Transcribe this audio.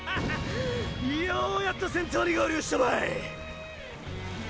ようやっと先頭に合流したばい！！